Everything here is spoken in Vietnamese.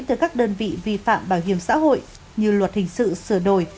từ các đơn vị vi phạm bảo hiểm xã hội như luật hình sự sửa đổi